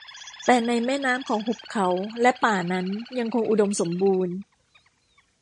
แต่ในแม่น้ำของหุบเขาและป่านั้นยังคงอุดมสมบูรณ์